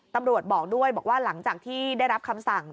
ตำรวจบอกด้วยบอกว่าหลังจากที่ได้รับคำสั่ง